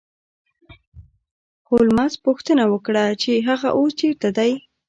هولمز پوښتنه وکړه چې هغه اوس چیرته دی